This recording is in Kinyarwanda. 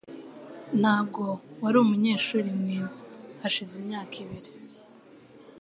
Ntabwo wari umunyeshuri mwiza hashize imyaka ibiri